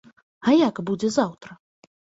А як будзе заўтра?